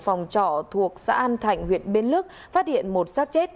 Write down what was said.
phòng trọ thuộc xã an thạnh huyện bến lức phát hiện một sát chết